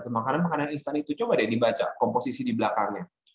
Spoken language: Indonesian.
makanan makanan instan itu coba deh dibaca komposisi di belakangnya